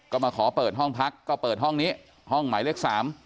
ก็มาขอเปิดห้องพักก็เปิดห้องนี้ห้องหมายเลข๓